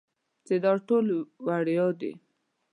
چې دا ټول وړيا دي.